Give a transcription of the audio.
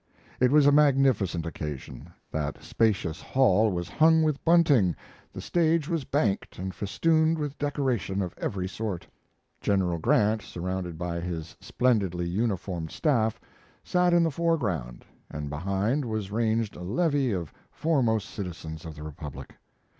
It was a magnificent occasion. That spacious hall was hung with bunting, the stage was banked and festooned with decoration of every sort. General Grant, surrounded by his splendidly uniformed staff, sat in the foreground, and behind was ranged a levee of foremost citizens of the republic.